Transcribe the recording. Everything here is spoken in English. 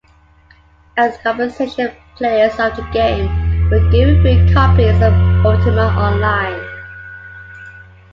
As compensation, players of the game were given free copies of Ultima Online.